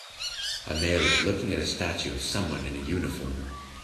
A male is looking at a statue of someone in a uniform.